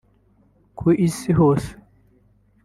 Ku isi hose